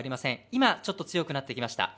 今ちょっと強くなってきました。